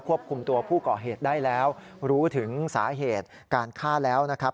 คุมตัวผู้ก่อเหตุได้แล้วรู้ถึงสาเหตุการฆ่าแล้วนะครับ